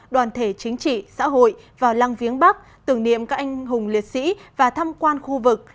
đoàn thể chính trị xã hội vào lăng viếng bắc tưởng niệm các anh hùng liệt sĩ và thăm quan khu vực